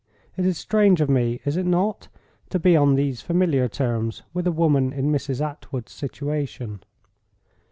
It is strange of me, is it not, to be on these familiar terms with a woman in Mrs. Attwood's situation?"